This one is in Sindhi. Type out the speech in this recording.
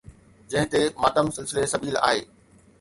جنهن تي ماتم سلسلي سبيل آهي